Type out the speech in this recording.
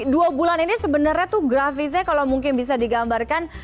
dua bulan ini sebenarnya tuh grafisnya kalau mungkin bisa digambarkan